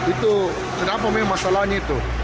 itu kenapa memang masalahnya itu